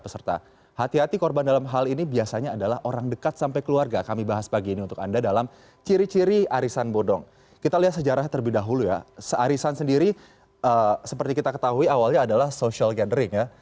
se alisan sendiri seperti kita ketahui awalnya adalah social gathering ya